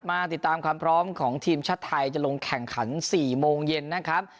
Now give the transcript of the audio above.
มาติดตามความพร้อมของทีมชาติไทยจะลงแข่งขัน๔โมงเย็นนะครับ